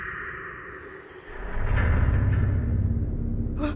あっ。